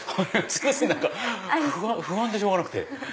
すいません何か不安でしょうがなくて。